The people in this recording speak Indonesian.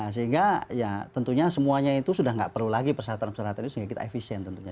sehingga ya tentunya semuanya itu sudah tidak perlu lagi persyaratan persyaratan itu sehingga kita efisien tentunya